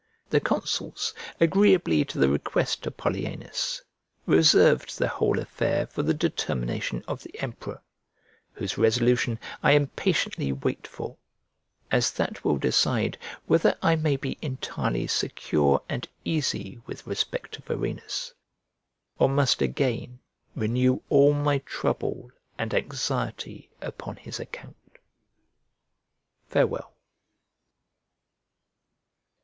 The consuls, agreeably to the request of Polyaenus, reserved the whole affair for the determination of the emperor, whose resolution I impatiently wait for; as that will decide whether I may be entirely secure and easy with respect to Varenus, or must again renew all my trouble and anxiety upon his account. Farewell.